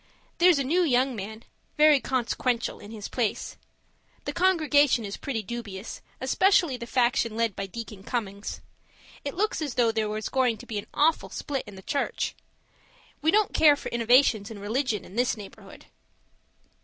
There's a new young man, very consequential, in his place. The congregation is pretty dubious, especially the faction led by Deacon Cummings. It looks as though there was going to be an awful split in the church. We don't care for innovations in religion in this neighbourhood.